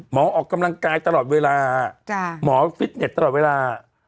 ออกกำลังกายตลอดเวลาหมอฟิตเน็ตตลอดเวลา